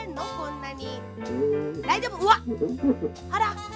なに！？